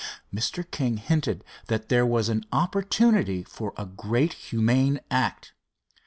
Mr. King hinted that there was an opportunity for a great humane act.